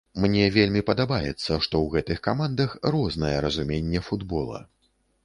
Мне вельмі падабаецца, што ў гэтых камандах рознае разуменне футбола.